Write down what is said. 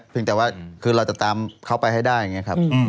แต่ว่าคือเราจะตามเขาไปให้ได้อย่างนี้ครับ